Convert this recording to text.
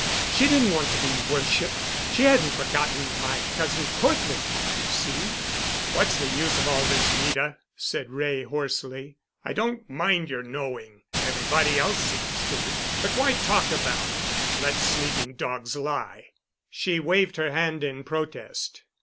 She didn't want to be worshipped. She hadn't forgotten my cousin Cortland, you see——" "What's the use of all this, Rita?" said Wray hoarsely. "I don't mind your knowing. Everybody else seems to. But why talk about it? Let sleeping dogs lie." She waved her hand in protest.